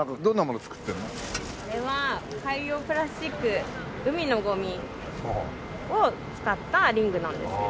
これは海洋プラスチック海のゴミを使ったリングなんですけど。